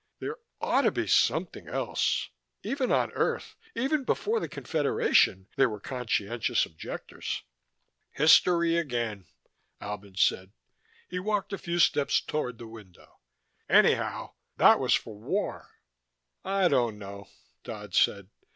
"There ought to be something else. Even on Earth, even before the Confederation, there were conscientious objectors." "History again," Albin said. He walked a few steps toward the window. "Anyhow, that was for war." "I don't know," Dodd said.